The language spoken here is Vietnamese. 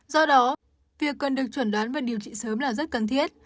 do đó việc cần được chuẩn đoán và điều trị sớm là rất cần thiết